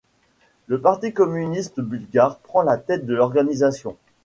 Le Parti communiste bulgare prend la tête de l'organisation.